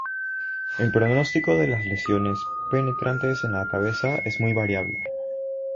El pronóstico de las lesiones penetrantes en la cabeza es muy variable.